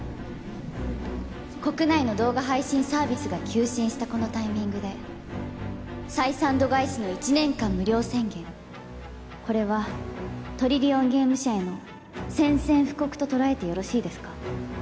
国内の動画配信サービスが急伸したこのタイミングで採算度外視の１年間無料宣言これはトリリオンゲーム社への宣戦布告と捉えてよろしいですか？